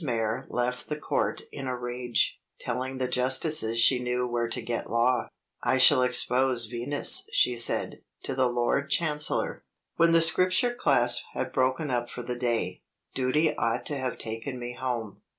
Mayor left the court in a rage, telling the justices she knew where to get law. "I shall expose Venus," she said, "to the Lord Chancellor." When the Scripture Class had broken up for the day, duty ought to have taken me home.